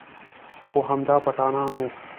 خو همدا پټانان و.